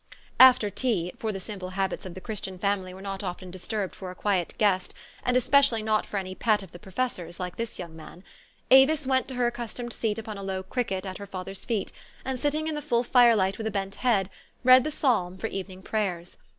After tea for the simple habits of the Christian family were not often disturbed for a quiet guest, and especially not for any pet of the professor's, like this young man, Avis went to her accustomed seat upon a low cricket at her father's feet, and, sit ting in the full firelight with bent head, read the Psalm for evening prayers